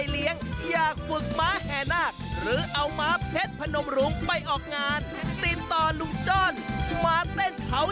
เรื่องดีดีเด้นเด็ก